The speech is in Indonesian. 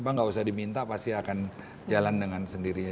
apa nggak usah diminta pasti akan jalan dengan sendirinya